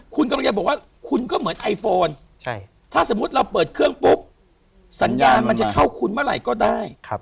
คุณกำลังจะบอกว่าคุณก็เหมือนไอโฟนถ้าสมมุติเราเปิดเครื่องปุ๊บสัญญาณมันจะเข้าคุณเมื่อไหร่ก็ได้